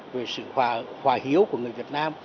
về sự hòa hiếu của người việt nam